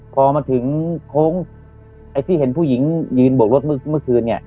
พอมาถึงโค้งไอ้ที่เห็นผู้หญิงยืนบวกรถเมื่อไหร่เมื่อคืนเนี้ย